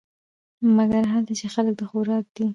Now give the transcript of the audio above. مګر هلته چې خلک د خوراک دي .